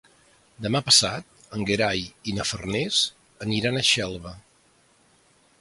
Demà passat en Gerai i na Farners aniran a Xelva.